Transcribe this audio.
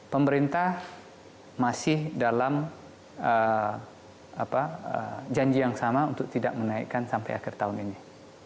pemerintah masih dalam janji yang sama untuk tidak menaikkan sampai akhir tahun ini